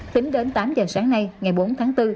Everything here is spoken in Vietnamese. tính đến tám giờ sáng nay ngày bốn tháng bốn